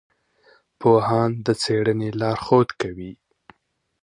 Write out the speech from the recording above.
پوهان د څېړنې لارښود کوي.